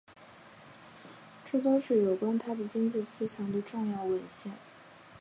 这都是有关他的经济思想的重要文献。